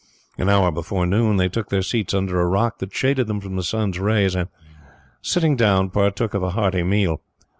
An hour before noon, they took their seats under a rock that shaded them from the sun's rays and, sitting down, partook of a hearty meal.